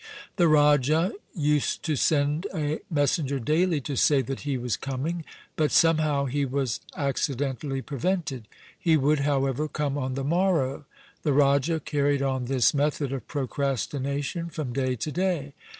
The Raja used to send a messenger daily to say that he was coming ; but somehow he was accidentally prevented. He would, however, come on the morrow. The Raja carried on this method of procrastination from day to day.